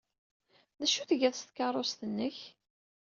D acu ay tgiḍ s tkeṛṛust-nnek?